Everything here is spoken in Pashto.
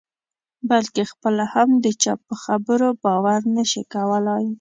بلکې خپله هم د چا په خبرو باور نه شي کولای.